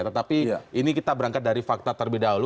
tetapi ini kita berangkat dari fakta terlebih dahulu